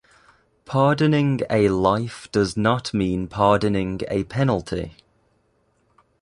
Pardoning a life does not mean pardoning a penalty.